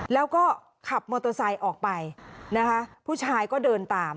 แล้วก็ขับมอเตอร์ไซค์ออกไปนะคะผู้ชายก็เดินตาม